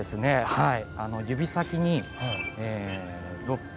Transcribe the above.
はい。